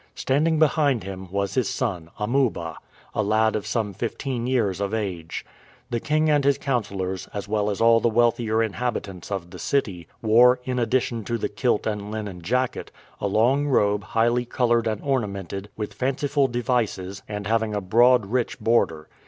Standing behind him was his son, Amuba, a lad of some fifteen years of age. The king and his councilors, as well as all the wealthier inhabitants of the city, wore, in addition to the kilt and linen jacket, a long robe highly colored and ornamented with fanciful devices and having a broad rich border.